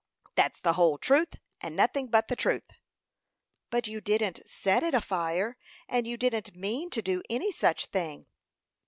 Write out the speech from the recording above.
That's the whole truth, and nothing but the truth." "But you didn't set it afire, and you didn't mean to do any such thing."